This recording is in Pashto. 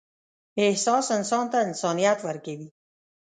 احساس انسان ته انسانیت ورکوي.